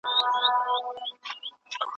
شاه محمود پر اصفهان برید وکړ.